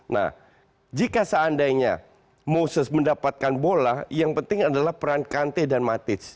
nah jika seandainya moses mendapatkan bola yang penting adalah peran kante dan matic